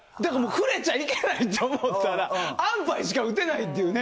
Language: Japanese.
触れちゃいけないって思ったら安パイしか打てないっていうね